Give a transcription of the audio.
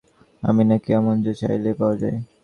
বিয়ের কথা বলতেই আমাকে বলল, আমি নাকি এমন যে, চাইলেই পাওয়া যায়।